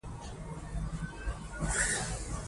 د ده هڅې بې ساري دي.